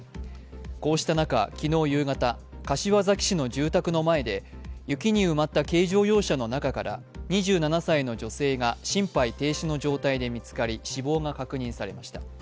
こうした中、昨日夕方、柏崎市の住宅の前で雪に埋まった軽乗用車の中から２７歳の女性が心肺停止の状態で見つかり死亡が確認されました。